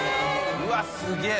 うわっすげぇ！